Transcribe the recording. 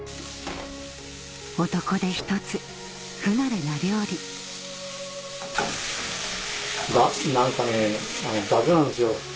男手ひとつ不慣れな料理何かね雑なんですよ。